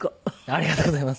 ありがとうございます。